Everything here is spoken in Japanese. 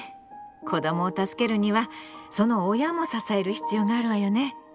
子どもを助けるにはその親も支える必要があるわよね。